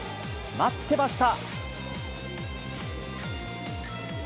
待ってました。